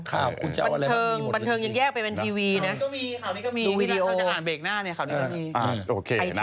บันเทิงยังแยกไปเป็นทีวีนะดูวิดีโอข่าวนี้ก็มีเราจะอ่านเบรกหน้า